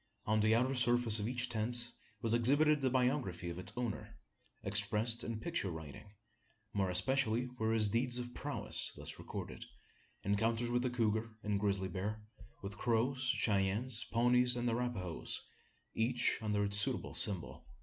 On the outer surface of each tent was exhibited the biography of its owner expressed in picture writing. More especially were his deeds of prowess thus recorded encounters with the couguar and grizzly bear with Crows, Cheyennes, Pawnees, and Arapahoes each under its suitable symbol.